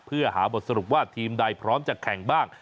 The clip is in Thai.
เพื่อหาบทสรุปว่าทีมใดพร้อมจะแข่งบ้าง